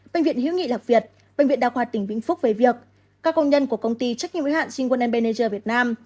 bệnh viện hiếu nghị lạc việt bệnh viện đà khoa tỉnh vĩnh phúc về việc các công nhân của công ty trách nhiệm ưu hạn sinh quân nbnj việt nam